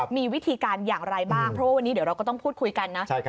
มีวิธีการอย่างไรบ้างเพราะว่าวันนี้เดี๋ยวเราก็ต้องพูดคุยกันนะ